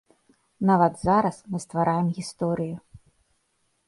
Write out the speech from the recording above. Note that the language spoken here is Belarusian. Нават зараз мы ствараем гісторыю.